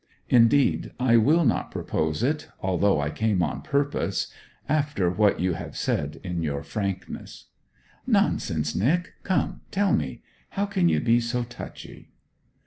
Indeed I will not propose it, although I came on purpose, after what you have said in your frankness.' 'Nonsense, Nic. Come, tell me. How can you be so touchy?'